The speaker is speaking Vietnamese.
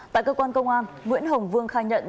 tại cơ quan công an nguyễn hồng vương khai nhận